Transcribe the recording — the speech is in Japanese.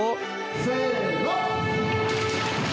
せの！